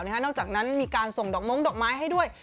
นอกจากนั้นมีการส่งดอกม้งดอกไม้ให้ด้วย